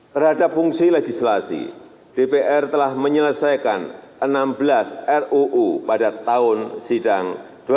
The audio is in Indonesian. terhadap fungsi legislasi dpr telah menyelesaikan enam belas ruu pada tahun sidang dua ribu tujuh belas dua ribu delapan belas